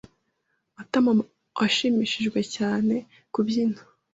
Matamawashimishijwe cyane kubyina.